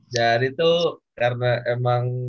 jadi tuh karena emang